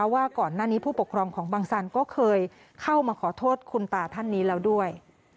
ว่าก่อนหน้านี้ผู้ปกครองของบังสันก็เคยเข้ามาขอโทษคุณตาท่านนี้แล้วด้วย